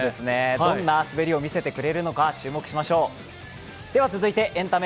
どんな滑りを見せてくれるのか注目しましょう。